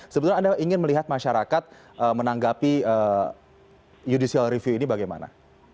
sebetulnya anda ingin melihat masyarakat menanggapi judicial review ini bagaimana